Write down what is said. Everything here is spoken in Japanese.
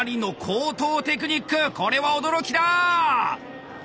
これは驚きだ！